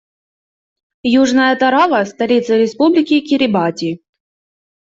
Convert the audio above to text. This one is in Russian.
Южная Тарава - столица Республики Кирибати.